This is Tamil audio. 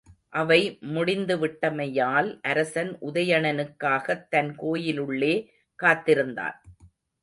அவை முடிந்துவிட்டமையால் அரசன் உதயணனுக்காகத் தன் கோயிலுள்ளே காத்திருந்தான்.